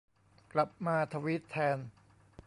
กลับมาทวีตแทน